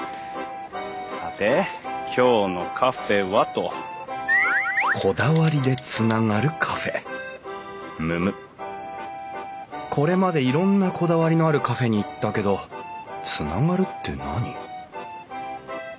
さて今日のカフェはと。むむ？これまでいろんなこだわりのあるカフェに行ったけどつながるって何？